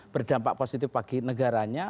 berdampak positif bagi negaranya